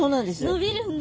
伸びるんだ。